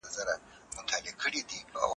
زه بېرېږم که نه ، ته ښه خبر يې